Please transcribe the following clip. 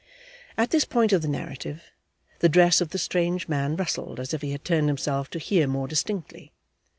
At this point of the narrative, the dress of the strange man rustled as if he had turned himself to hear more distinctly.